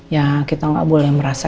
ya kita nggak boleh merasa